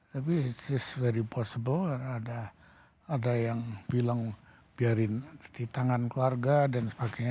tapi is very possible ada yang bilang biarin di tangan keluarga dan sebagainya